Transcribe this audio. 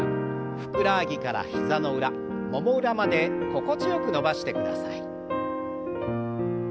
ふくらはぎから膝の裏もも裏まで心地よく伸ばしてください。